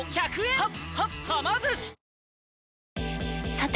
さて！